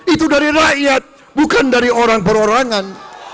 itu dari rakyat bukan dari orang perorangan